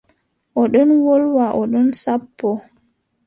O ɗon wolwa o ɗon sappoo.